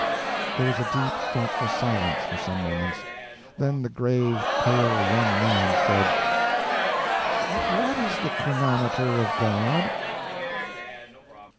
There was deep, thoughtful silence for some moments. Then the grave, pale young man said: "What is the chronometer of God?"